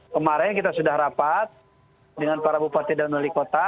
kemarin kita sudah rapat dengan para bupati dan wali kota